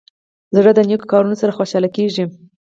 زړه د نیکو کارونو سره خوشحاله کېږي.